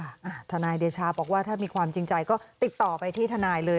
ทนายเดชาบอกว่าถ้ามีความจริงใจก็ติดต่อไปที่ทนายเลย